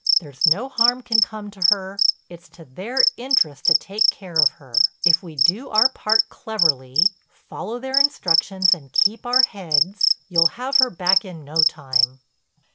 There's no harm can come to her; it's to their interest to take care of her. If we do our part cleverly, follow their instructions and keep our heads, you'll have her back in no time."